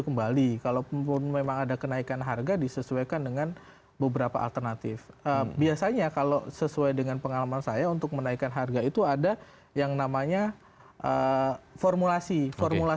sampai jumpa di video selanjutnya